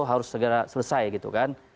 harus segera selesai gitu kan